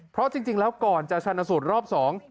เพราะจริงแล้วก่อนจะชนะสูตรรอบสอง